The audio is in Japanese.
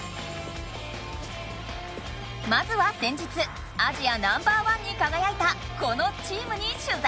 まずは先日アジアナンバーワンにかがやいたこのチームにしゅざいだ！